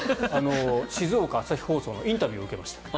静岡朝日放送のインタビューを受けました。